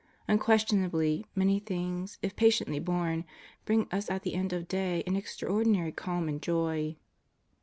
Unquestionably, many things, if patiently borne, bring us at the end of day an extraordinary calm and joy.